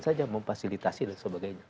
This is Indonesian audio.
saja memfasilitasi dan sebagainya